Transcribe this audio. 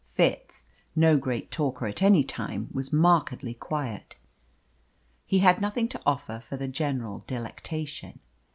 Fitz, no great talker at any time, was markedly quiet. He had nothing to offer for the general delectation.